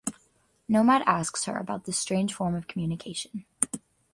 Nomad asks her about this strange form of communication.